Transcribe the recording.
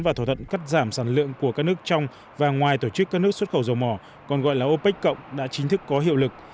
và thỏa thuận cắt giảm sản lượng của các nước trong và ngoài tổ chức các nước xuất khẩu dầu mỏ còn gọi là opec cộng đã chính thức có hiệu lực